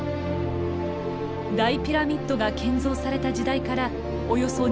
大ピラミッドが建造された時代からおよそ２，０００年。